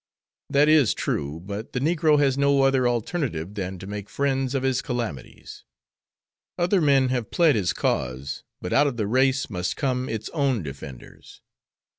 "That is true; but the negro has no other alternative than to make friends of his calamities. Other men have plead his cause, but out of the race must come its own defenders.